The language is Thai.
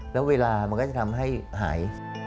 แล้วเวลามันก็จะทำให้หาย